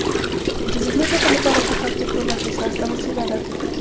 د ذهني ودې لپاره کتاب تر ټولو اغیزناک وسیله ده.